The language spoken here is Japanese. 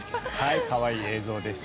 可愛い映像でした。